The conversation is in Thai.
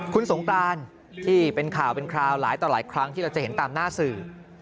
คุณสงกรานที่เป็นข่าวเป็นคราวหลายต่อหลายครั้งที่เราจะเห็นตามหน้าสื่อ